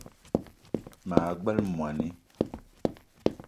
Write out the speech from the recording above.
Maa gbele moni